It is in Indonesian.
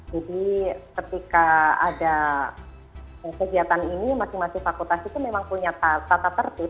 jadi ketika ada kegiatan ini masing masing fakultas itu memang punya tata tertib